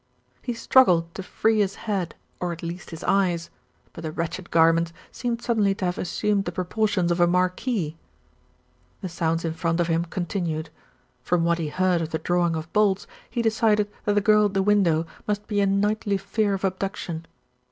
He struggled to free his head, or at least his eyes; but the wretched garment seemed suddenly to have assumed the proportions of a marquee. The sounds in front of him continued. From what he heard of the drawing of bolts, he decided that the girl at the window must be in nightly fear of abduc tion.